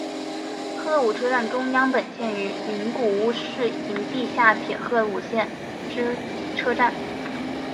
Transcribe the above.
鹤舞车站中央本线与名古屋市营地下铁鹤舞线之车站。